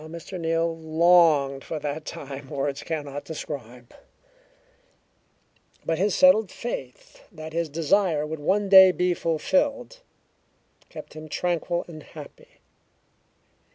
How Mr. Neal longed for that time words cannot describe, but his settled faith that his desire would one day be fulfilled kept him tranquil and happy.